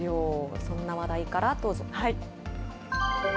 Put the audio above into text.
そんな話題からどうぞ。